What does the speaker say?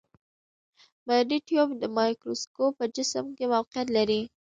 بادي ټیوب د مایکروسکوپ په جسم کې موقعیت لري.